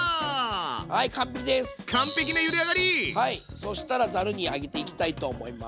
そしたらざるに上げていきたいと思います。